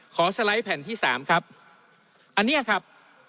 ขอสไลด์แผ่นที่๓ครับอันนี้ครับ